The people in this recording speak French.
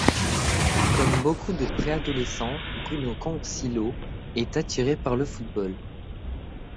Comme beaucoup de pré-adolescents, Bruno Konczylo est attiré par le football.